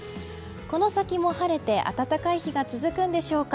この先も晴れて暖かい日が続くんでしょうか？